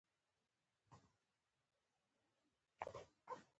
خو ځینې خلک نن ورځ د سبا د بریا لپاره کار کوي.